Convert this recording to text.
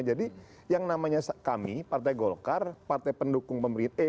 jadi yang namanya kami partai golkar partai pendukung pemerintah